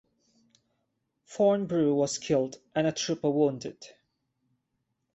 Thornbrugh was killed and a trooper wounded.